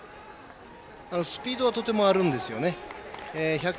スピードはとてもあるんですよね。